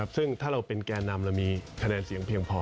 ซึ่งถ้าเราเป็นแก่นำเรามีคะแนนเสียงเพียงพอ